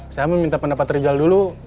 saya meminta pendapat rijal dulu